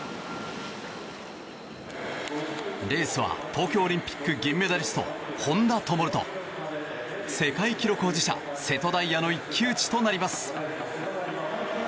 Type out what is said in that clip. レースは東京オリンピック銀メダリスト、本多灯と世界記録保持者、瀬戸大也の一騎打ちとなります。